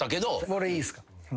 俺いいっすか。